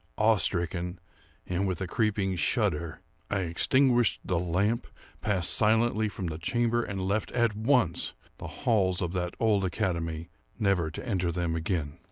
Awe stricken, and with a creeping shudder, I extinguished the lamp, passed silently from the chamber, and left, at once, the halls of that old academy, never to enter them again.